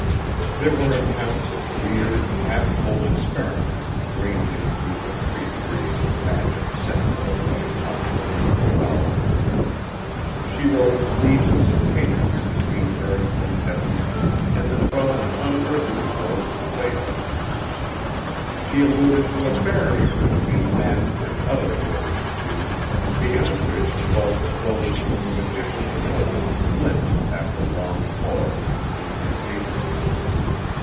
There were accounts of weird, half told experiments ranging through the three degrees of magic set forth by Talmud and Cabala. She wrote of legions of kingdoms between earth and heaven, and the twelve unearthly worlds of Plato. She alluded to a Barrier between men and other orders of beings, beyond which dwelt Those whom the magicians of old glimpsed after long toil and incantation.